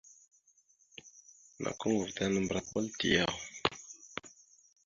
Nakw koŋgov ta nambrec kwal te yaw?